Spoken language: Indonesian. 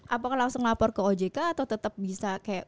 apakah langsung lapor ke ojk atau tetap bisa kayak